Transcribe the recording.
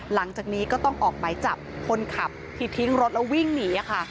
หลังจากนี้ก็ต้องออกหมายจับคนขับที่ทิ้งรถแล้ววิ่งหนีค่ะ